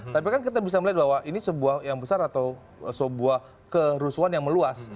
tapi kan kita bisa melihat bahwa ini sebuah yang besar atau sebuah kerusuhan yang meluas